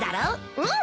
うん！